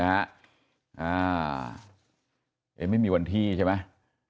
ไม่มีวันที่ใช่ไหม